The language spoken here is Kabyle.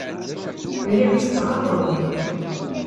Lliɣ ttetteɣ aɣrum.